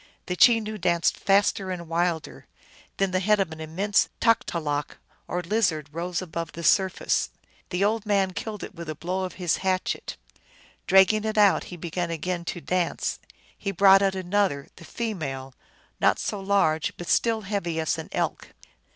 The Chenoo danced faster and wilder ; then the head of an immense Taktalok, or lizard, rose above the surface. The old man killed it with a blow of his hatchet. Dragging it out he began again to dance. He brought out another, the female, not so large, but still heavy as an elk.